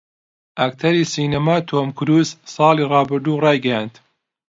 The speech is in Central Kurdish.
ئەکتەری سینەما تۆم کرووز ساڵی ڕابردوو ڕایگەیاند